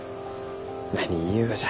何言いゆうがじゃ？